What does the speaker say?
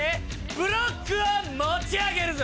ブロックを持ち上げるぞ。